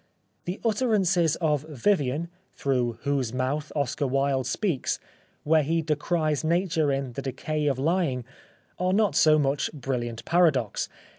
The utterances of Vivian (through whose mouth Oscar Wilde speaks) where he decries Nature in " The Decay of Lying" are not so much brilliant paradox.